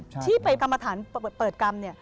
ไม่ใช่ที่ไปกรรมฐานเปิดกรรม